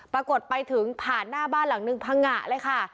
ปรากฏไปถึงผ่านหน้าบ้านหลังนึงพังงะเลยค่ะ